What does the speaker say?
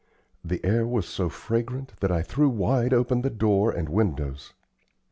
The air was so fragrant that I threw wide open the door and windows.